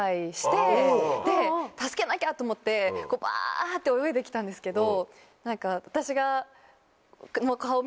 助けなきゃと思ってバ！って泳いで来たんですけど。